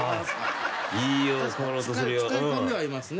使い込んではいますね